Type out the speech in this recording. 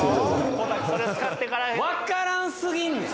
小瀧それ使ってからわからんすぎんねん